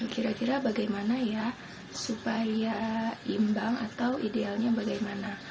kira kira bagaimana ya supaya imbang atau idealnya bagaimana